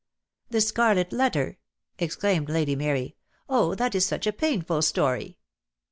"'The Scarlet Letter!'" exclaimed Lady Mary. "Oh, that is such a painful story!"